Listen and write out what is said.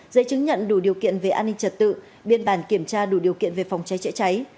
giấy chứng nhận đủ điều kiện về an ninh trật tự biên bản kiểm tra đủ điều kiện về phòng cháy chữa cháy